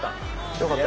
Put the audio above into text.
よかった。